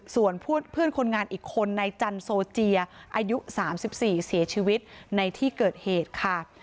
ส่วนเพื่อนคนงานอีกคนในจันโซเจียอายุ๓๔เสียชีวิตในที่เกิดเหตุค่ะ